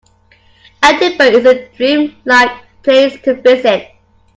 Edinburgh is a dream-like place to visit.